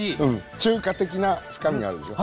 中華的な深みがあるでしょう？